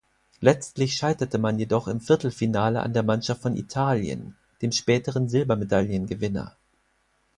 Letztlich scheiterte man jedoch im Viertelfinale an der Mannschaft von Italien, dem späteren Silbermedaillengewinner.